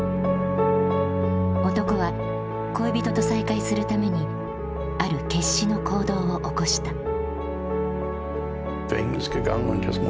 男は恋人と再会するためにある決死の行動を起こした。